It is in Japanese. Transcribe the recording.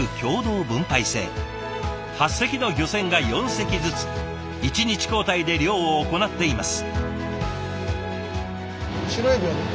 ８隻の漁船が４隻ずつ１日交代で漁を行っています。